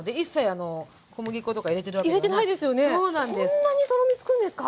こんなにとろみつくんですか？